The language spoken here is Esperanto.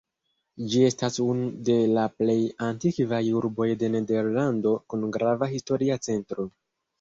Ĝi estas unu de la plej antikvaj urboj de Nederlando kun grava historia centro.